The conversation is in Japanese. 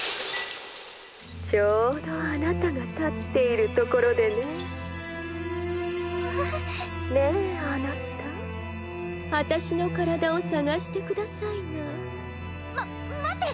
ちょうどあなたが立っているところでね☎ねえあなたあたしの体を捜してくださいなま待って！